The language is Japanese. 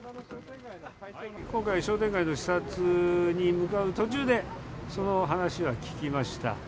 今回、商店街の視察に向かう途中で、その話は聞きました。